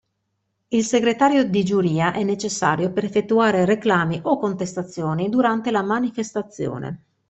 Il segretario di giuria è necessario per effettuare reclami o contestazioni durante la manifestazione.